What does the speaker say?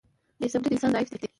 • بې صبري د انسان ضعف دی.